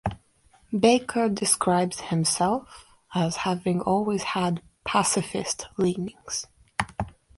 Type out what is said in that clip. Baker describes himself as having always had pacifist leanings.